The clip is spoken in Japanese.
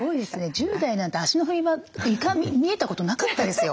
１０代なんて足の踏み場床見えたことなかったですよ。